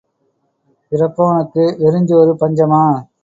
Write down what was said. இரப்பவனுக்கு வெறுஞ் சோறு பஞ்சமா?